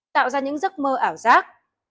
tạo ra những giấc mơ ảo giác